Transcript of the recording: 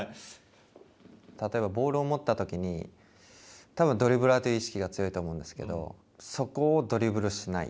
例えばボールを持ったときにたぶんドリブラーという意識が強いと思うんですけどそこをドリブルしない。